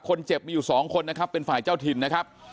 คนเจ็บมีอยู่สองคนนะครับเป็นฝ่ายเจ้าถิ่นนะครับ